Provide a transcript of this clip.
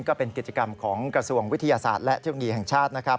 ก็เป็นกิจกรรมของกระทรวงวิทยาศาสตร์และเทคโนโลยีแห่งชาตินะครับ